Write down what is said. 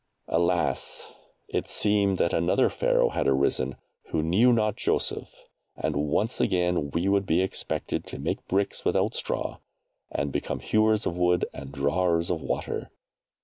Alas! it seemed that another Pharaoh had arisen who knew not Joseph; and once again we would be expected to make bricks without straw, and become hewers of wood and drawers of water.